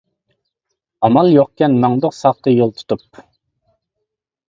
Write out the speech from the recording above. ئامال يوقكەن ماڭدۇق ساختا يول تۇتۇپ.